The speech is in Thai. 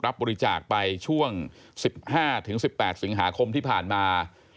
รับบริจาคไปช่วง๑๕๑๘สิงหาคมที่ผ่านมา